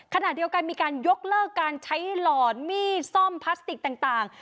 ขณะเดียวกันมีการยกเลิกการใช้หล่อนมีดซ่อมพลาสติกต่าง